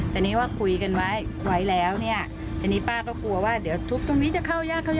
แต่นี้ว่าคุยกันไว้แล้วเนี่ยแต่นี้ป้าก็กลัวว่าเดี๋ยวทุบตรงนี้จะเข้ายาก